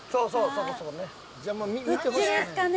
どっちですかね。